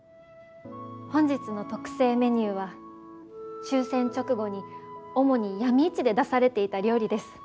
本日の特製メニューは終戦直後に主に闇市で出されていた料理です。